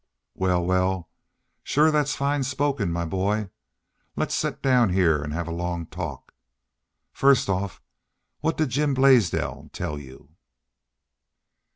"Wal, wal, shore thats fine spoken, my boy.... Let's set down heah an' have a long talk. First off, what did Jim Blaisdell tell you?"